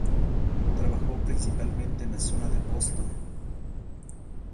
Trabajó principalmente en la zona de Boston.